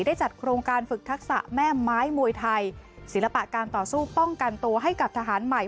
ได้จัดโครงการฝึกทักษะแม่ไม้มวยไทยศิลปะการต่อสู้ป้องกันตัวให้กับทหารใหม่